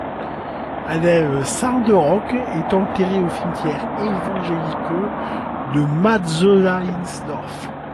Adele Sandrock est enterrée au Cimetière évangélique de Matzleinsdorf.